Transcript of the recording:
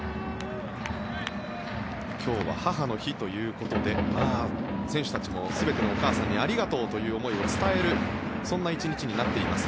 今日は母の日ということで選手たちも全てのお母さんにありがとうという思いを伝えるそんな１日になっています。